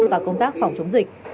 và công tác phòng chống dịch